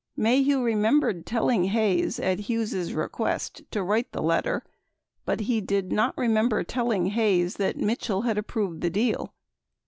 Maheu remembered telling Hayes, at Hughes' request, to write the letter, 30 but did not remember telling Hayes that Mitchell had approved the deal.